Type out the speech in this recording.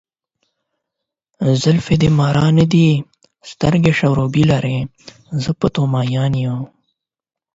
زلفې دې مارانو دي، سترګې شرابي لارې، زه په ته ماين یمه.